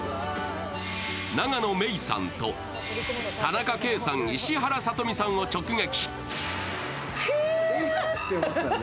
永野芽郁さんと田中圭さん、石原さとみさんを直撃。